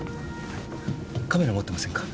カメラ持ってませんか？